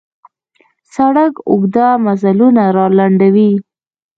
سړک اوږده مزلونه را لنډوي.